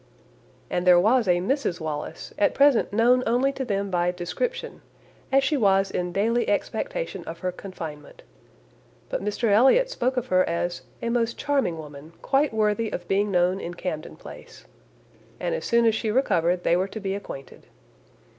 and there was a Mrs Wallis, at present known only to them by description, as she was in daily expectation of her confinement; but Mr Elliot spoke of her as "a most charming woman, quite worthy of being known in Camden Place," and as soon as she recovered they were to be acquainted.